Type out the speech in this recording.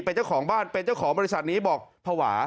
เป็นเจ้าของบ้านเป็นเจ้าของบริษัทนี้บอกภาวะ